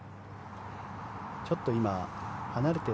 ちょっと今、離れて。